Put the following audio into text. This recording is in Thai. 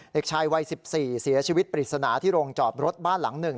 เด็กชายวัย๑๔เสียชีวิตปริศนาที่โรงจอบรถบ้านหลัง๑